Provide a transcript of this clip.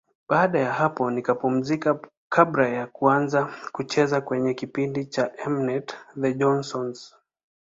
Baada ya hapo nikapumzika kabla ya kuanza kucheza kwenye kipindi cha M-net, The Johnsons.